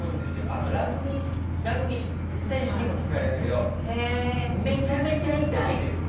あとラグビー選手にも聞かれるんだけどめちゃめちゃ痛いです。